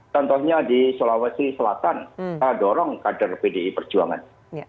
contohnya di sulawesi selatan kita dorong kader pdi perjuangan